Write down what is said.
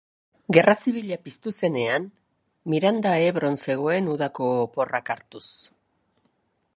Gerra Zibila piztu zenean, Miranda Ebron zegoen udako oporrak hartuz.